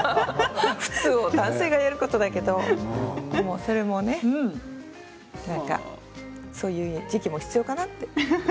普通は男性がやることだけどそれもねそういう時期も必要かなって。